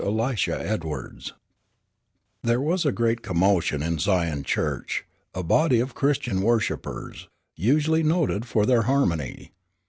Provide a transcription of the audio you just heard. ELISHA EDWARDS There was great commotion in Zion Church, a body of Christian worshippers, usually noted for their harmony.